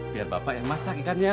biar bapak yang masak ikannya